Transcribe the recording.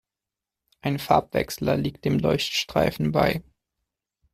Ein Farbwechsler liegt dem Leuchtstreifen bei.